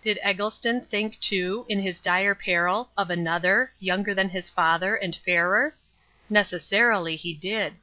Did Eggleston think, too, in his dire peril of another younger than his father and fairer? Necessarily, he did.